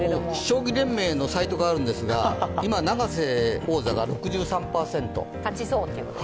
将棋連盟のサイトがあるんですが今、永瀬王座が６３％、勝ちそう。